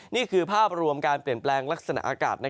นี่คือภาพรวมการเปลี่ยนแปลงลักษณะอากาศ